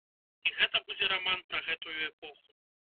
І гэта будзе раман пра гэтую эпоху.